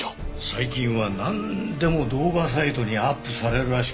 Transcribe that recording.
最近はなんでも動画サイトにアップされるらしくてね。